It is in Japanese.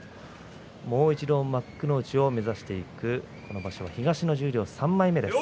もう一度、幕内を目指していくこの場所は東の十両３枚目です